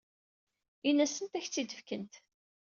Ini-asent ad ak-tt-id-fkent.